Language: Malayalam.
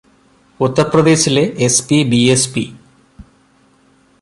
ഉത്തർപ്രദേശിലെ എസ്.പി, ബി.എസ്.പി.